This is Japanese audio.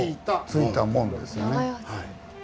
ついた門ですよね。